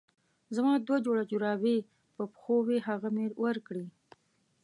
زما دوه جوړه جرابې په پښو وې هغه مې ورکړې.